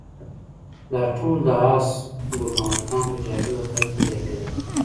دا ټول د آس ګل محمد خان په جهادي اطاق کې پیدا کېدل.